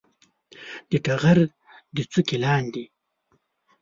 د ټغر د څوکې لاندې